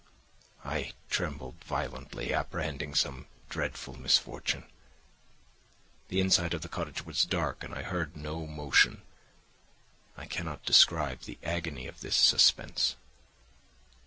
I trembled violently, apprehending some dreadful misfortune. The inside of the cottage was dark, and I heard no motion; I cannot describe the agony of this suspense.